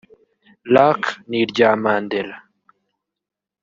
Luck n’irya Mandela